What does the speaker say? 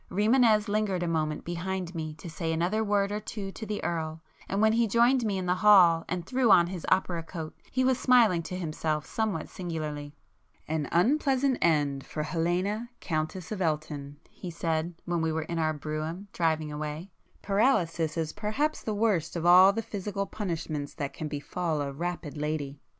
Rimânez lingered a moment behind me to say [p 162] another word or two to the Earl, and when he joined me in the hall and threw on his opera coat, he was smiling to himself somewhat singularly. "An unpleasant end for Helena, Countess of Elton"—he said, when we were in our brougham, driving away—"Paralysis is perhaps the worst of all the physical punishments that can befall a 'rapid' lady."